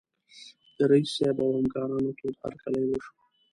د رییس صیب او همکارانو تود هرکلی وشو.